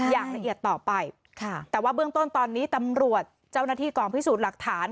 อย่างละเอียดต่อไปค่ะแต่ว่าเบื้องต้นตอนนี้ตำรวจเจ้าหน้าที่กองพิสูจน์หลักฐาน